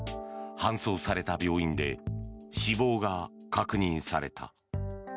搬送された病院で死亡が確認された。